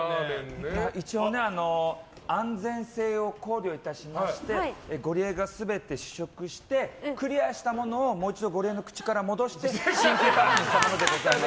一応、安全性を考慮いたしましてゴリエが全て試食してクリアしたものをもう一度ゴリエの口から戻して真空パックしたものでございます。